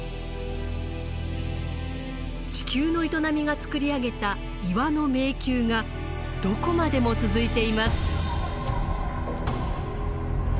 地球の営みがつくり上げた岩の迷宮がどこまでも続いています。